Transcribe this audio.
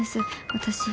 私。